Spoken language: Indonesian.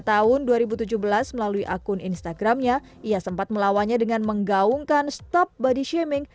tahun dua ribu tujuh belas melalui akun instagramnya ia sempat melawannya dengan menggaungkan stop body shaming